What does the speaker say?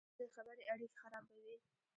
بدې خبرې اړیکې خرابوي